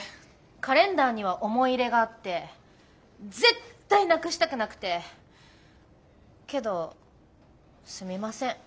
カレンダーには思い入れがあって絶対なくしたくなくてけどすみません